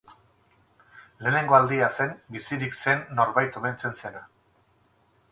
Lehenengo aldia zen bizirik zen norbait omentzen zena.